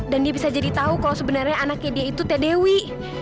dan dia bisa jadi tahu kalau sebenarnya anaknya dia itu teh dewi